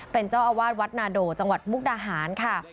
เป็นเจ้าอาวาสวัดนาโดจังหวัดมุกดาหารค่ะ